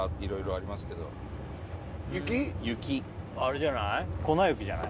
あれじゃない？